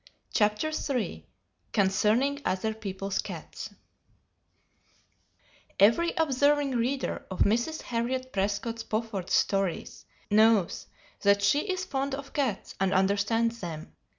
CHAPTER III CONCERNING OTHER PEOPLE'S CATS Every observing reader of Mrs. Harriet Prescott Spofford's stories knows that she is fond of cats and understands them.